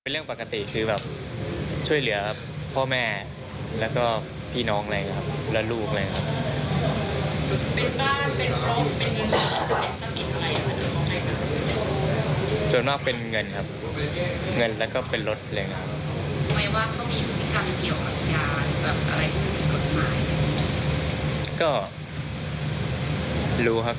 รู้ครับแต่ก็อย่างที่บอกนี๊กัลตอนแรกครับ